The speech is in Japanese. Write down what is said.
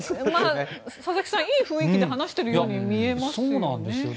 佐々木さん、いい雰囲気で話しているように見えますよね。